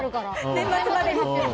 年末までに。